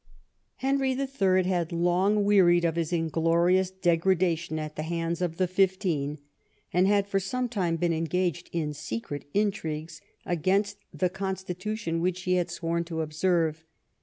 Henry HI. had long wearied of his inglorious degra dation at the hands of the Fifteen, and had for some time been engaged in secret intrigues against the con stitution which he had sworn to observe.